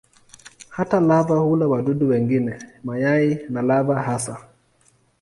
Hata lava hula wadudu wengine, mayai na lava hasa.